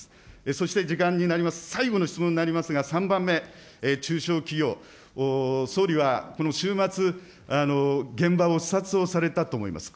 そして時間になります、最後の質問になりますが、３番目、中小企業、総理はこの週末、現場を視察をされたと思います。